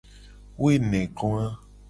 Woenegoa.